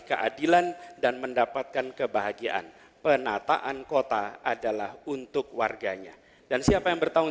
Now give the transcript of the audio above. keadilan dan mendapatkan kebahagiaan penataan kota adalah untuk warganya dan siapa yang bertanggung